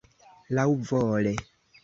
laŭvole